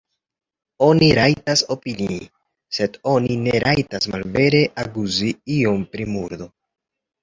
Oni rajtas opinii, sed oni ne rajtas malvere akuzi iun pri murdo.